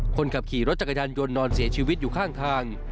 คนขับขี่รถจักรยานยนต์นอนเสียชีวิตอยู่ข้างทาง